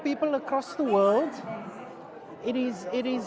kepada orang di seluruh dunia